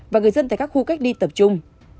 và người dân tại các khu cách ly tập trung